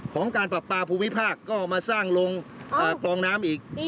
ของการปรับปลาภูมิภาคก็มาสร้างลงกลองน้ำอีก